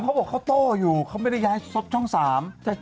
เขาบอกเขาโต้อยู่เขาไม่ได้ย้ายซบช่องสาม